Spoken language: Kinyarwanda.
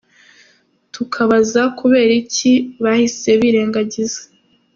Tukabaza ‘Kubera iki bahise birengagiza.